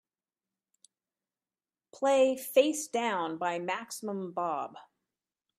play Facedown by Maximum Bob